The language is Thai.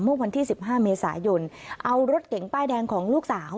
เมื่อวันที่๑๕เมษายนเอารถเก๋งป้ายแดงของลูกสาว